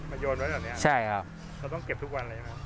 มันโยนไว้แบบเนี้ยใช่ครับเขาต้องเก็บทุกวันเลยนะครับ